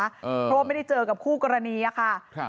เพราะไม่ได้เจอกับคู่กรณีค่ะ